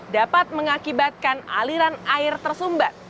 dapat mengakibatkan aliran air tersumbat